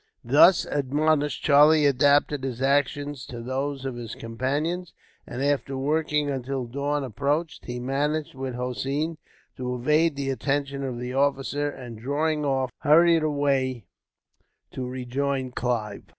Thus admonished, Charlie adapted his actions to those of his companions and, after working until dawn approached, he managed, with Hossein, to evade the attention of the officer; and, drawing off, hurried away to rejoin Clive.